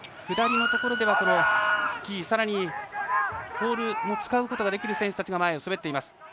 下りのところではスキー、さらにポールも使うことができる選手たちが前を滑っています。